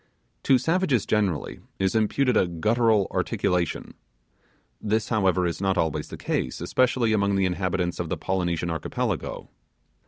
To savages generally is imputed a guttural articulation. This however, is not always the case, especially among the inhabitants of the Polynesian Archipelago.